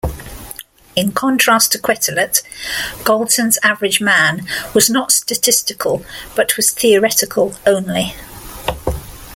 In contrast to Quetelet, Galton's average man was not statistical but was theoretical only.